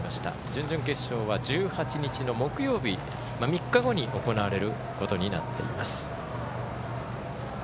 準々決勝は１８日の木曜日３日後に行われることになっています。